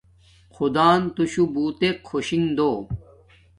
خدان توشو بوتک خوشی دو